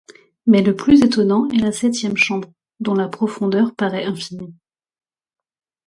Mais le plus étonnant est la septième chambre, dont la profondeur paraît infinie.